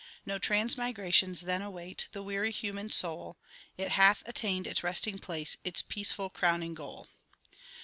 No transmigrations then await The weary human soul ; It hath attained its resting place, Its peaceful crowning goal.